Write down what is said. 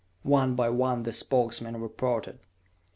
One by one the Spokesmen reported.